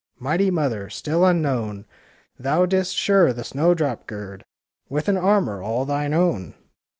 Mighty mother, still unknown! Thou didst sure the snowdrop gird With an armour all thine own!